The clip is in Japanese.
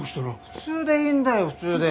普通でいいんだよ普通で。